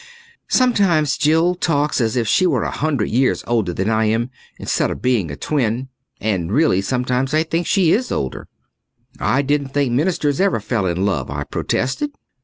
Sometimes Jill talks as if she were a hundred years older than I am, instead of being a twin. And really, sometimes I think she is older. "I didn't think ministers ever fell in love," I protested.